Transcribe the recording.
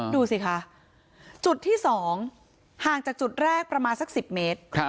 ดูสิคะจุดที่๒ห่างจากจุดแรกประมาณสัก๑๐เมตร